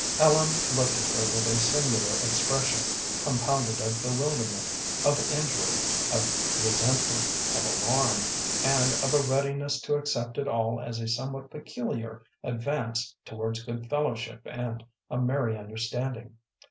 Ellen looked at her with a singular expression compounded of bewilderment, of injury, of resentment, of alarm, and of a readiness to accept it all as a somewhat peculiar advance towards good fellowship and a merry understanding.